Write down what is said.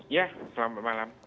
ya selamat malam